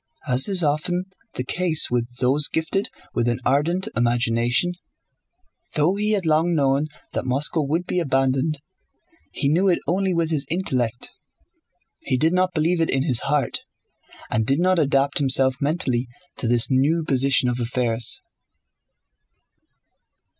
As is often the case with those gifted with an ardent imagination, though he had long known that Moscow would be abandoned he knew it only with his intellect, he did not believe it in his heart and did not adapt himself mentally to this new position of affairs.